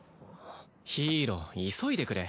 ヒイロ急いでくれ。